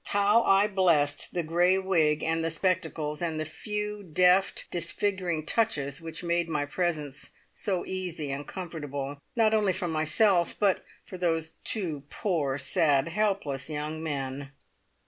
How I blessed the grey wig and the spectacles, and the few deft, disfiguring touches which made my presence so easy and comfortable, not only for myself but for those two poor, sad, helpless young men.